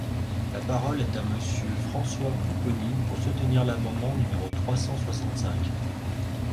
La parole est à Monsieur François Pupponi, pour soutenir l’amendement numéro trois cent soixante-cinq.